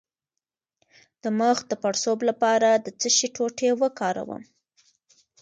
د مخ د پړسوب لپاره د څه شي ټوټې وکاروم؟